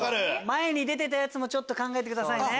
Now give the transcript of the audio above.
前に出てたやつもちょっと考えてくださいね。